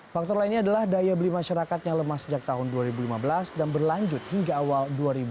faktor lainnya adalah daya beli masyarakat yang lemah sejak tahun dua ribu lima belas dan berlanjut hingga awal dua ribu delapan belas